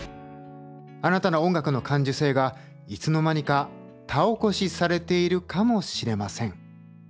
あなたの音楽の感受性がいつの間にか田起こしされているかもしれません。